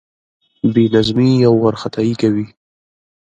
بې نظمي او وارخطايي کوي.